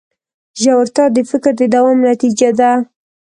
ژورتیا د فکر د دوام نتیجه ده.